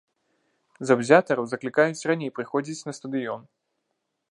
Заўзятараў заклікаюць раней прыходзіць на стадыён.